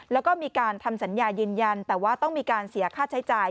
แล้วก็มีการทำสัญญายืนยันแต่ว่าต้องมีการเสียค่าใช้จ่าย